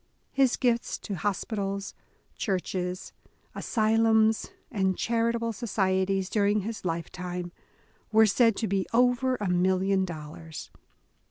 His gifts to hospitals, churches, asylums, and charitable societies during his lifetime, were said to be over a million dollars.